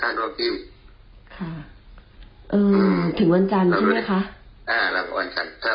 ถ้าโอเควันจันทร์ก็ไปที่บ้าน